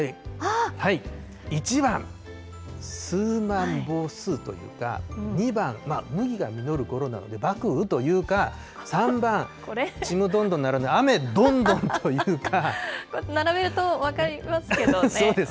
１番、すーまんぼーすーというか、２番、麦が実るころなので、麦雨というか、３番、ちむどんどんならぬ、雨どんどんというか。